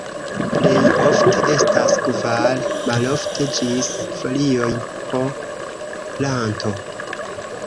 Plej ofte estas kvar, malofte ĝis folioj po planto.